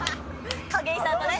景井さんがね。